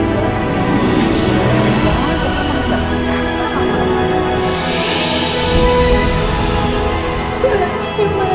lu harus gimana